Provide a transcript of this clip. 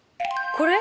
これ？